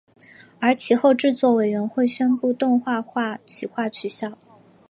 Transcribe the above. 而其后制作委员会宣布动画化企划取消。